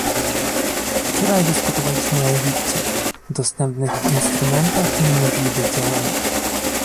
Wczoraj dyskutowaliśmy o Egipcie - dostępnych instrumentach i możliwych działaniach